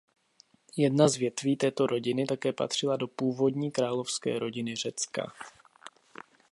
Jedna z větví této rodiny také patřila do původní královské rodiny Řecka.